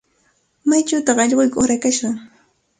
¿Maychawtaq allquyki uqrakashqa?